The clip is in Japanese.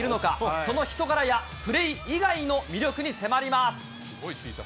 その人柄やプレー以外の魅力に迫ります。